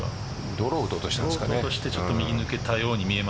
ドローを打とうとしたんですかね。